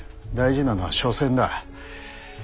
大事なのは緒戦だ。